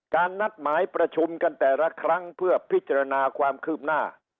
นัดหมายประชุมกันแต่ละครั้งเพื่อพิจารณาความคืบหน้า